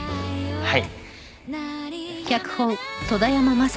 はい。